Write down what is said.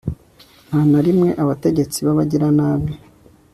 nta na rimwe abategetsi b'abagiranabi